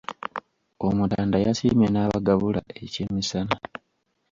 Omutanda yasiimye n’abagabula ekyemisana.